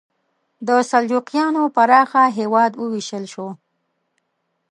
د سلجوقیانو پراخه هېواد وویشل شو.